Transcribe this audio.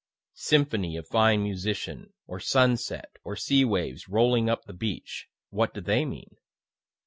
Symphony of fine musician, or sunset, or sea waves rolling up the beach what do they mean?